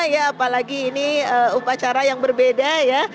ya apalagi ini upacara yang berbeda ya